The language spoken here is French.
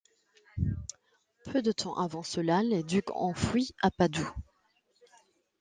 Peu de temps avant cela, les ducs ont fui à Padoue.